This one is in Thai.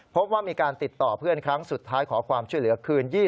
พบว่ามีการติดต่อเพื่อนครั้งสุดท้ายขอความช่วยเหลือคืน